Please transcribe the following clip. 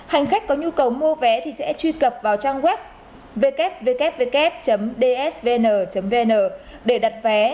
hành khách có nhu cầu mua vé thì sẽ truy cập vào trang web www dsvn vn để đặt vé